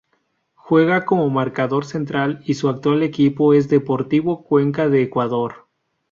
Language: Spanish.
Juega como marcador central y su actual equipo es Deportivo Cuenca de Ecuador.